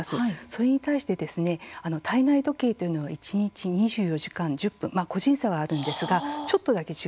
それに対して体内時計というのは一日２４時間１０分個人差はあるんですがちょっとだけ違うんですね。